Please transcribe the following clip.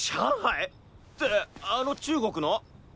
ってあの中国の？